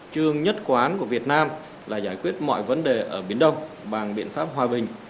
trương nhất quán của việt nam là giải quyết mọi vấn đề ở biển đông bằng biện pháp hòa bình